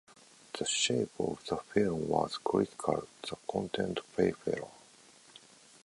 The shape of the film was crucial, the content peripheral.